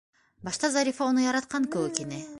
Башта Зарифа уны яратҡан кеүек ине.